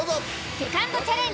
セカンドチャレンジ